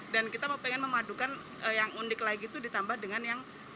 dan kita mau pengen memadukan yang unik lagi itu ditambah dengan yang lainnya